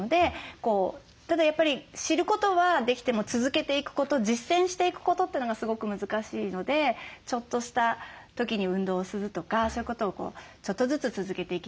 ただやっぱり知ることはできても続けていくこと実践していくことというのがすごく難しいのでちょっとした時に運動をするとかそういうことをちょっとずつ続けていきたいなって思いました。